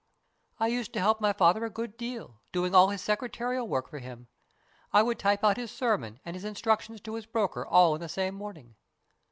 " I used to help my father a good deal, doing all his secretarial work for him. I would type out his sermon and his instructions to his broker all in the same morning.